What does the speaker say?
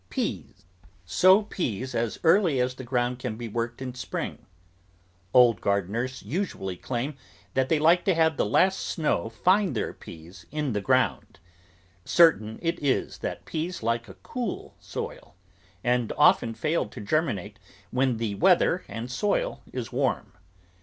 PEAS Sow peas as early as the ground can be worked in spring; old gardeners usually claim that they I THE GROWING OF VARIOUS VEGETABLES like to have the last snow find their peas in the ground; certain it is that peas like a cool soil, and often fail to germinate when the weather and soil is warm.